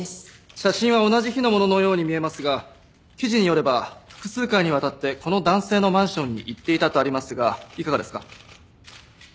写真は同じ日の物のように見えますが記事によれば複数回にわたってこの男性のマンションに行っていたとありますがいかがですか？